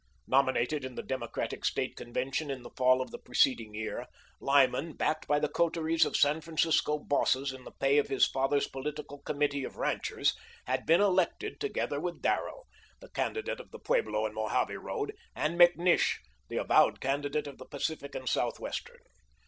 Nominated in the Democratic State convention in the fall of the preceding year, Lyman, backed by the coteries of San Francisco bosses in the pay of his father's political committee of ranchers, had been elected together with Darrell, the candidate of the Pueblo and Mojave road, and McNish, the avowed candidate of the Pacific and Southwestern.